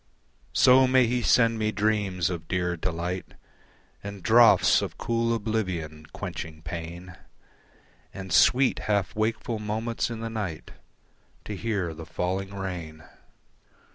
So may he send me dreams of dear delight And draughts of cool oblivion, quenching pain, And sweet, half wakeful moments in the night To hear the falling rain.